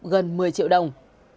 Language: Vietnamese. gần một mươi triệu đồng